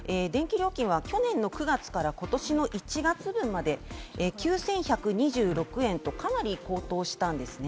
去年の９月から今年の１月分まで９１２６円と、かなり高騰したんです。